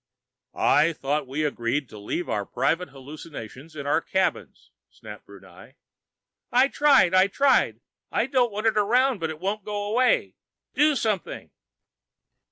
"I thought we agreed to leave our private hallucinations in our cabins," snapped Brunei. "I tried! I tried! I don't want it around, but it won't go away! Do something!"